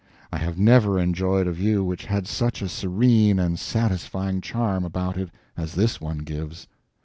I have never enjoyed a view which had such a serene and satisfying charm about it as this one gives.